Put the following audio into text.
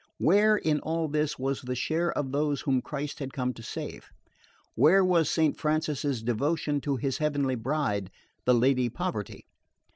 Where, in all this, was the share of those whom Christ had come to save? Where was Saint Francis's devotion to his heavenly bride, the Lady Poverty?